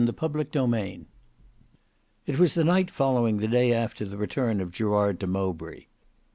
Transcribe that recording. Book 5 Chapter 11 It was the night following the day after the return of Gerard to Mowbray.